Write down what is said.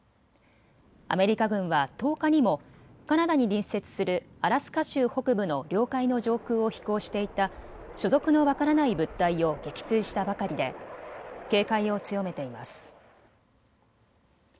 アメリカ軍は１０日にもカナダに隣接するアラスカ州北部の領海の上空を飛行していた所属の分からない物体を撃墜したばかりで警戒を強めています。